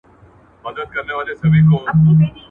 کارنامې د لویو خلکو د لرغونو انسانانو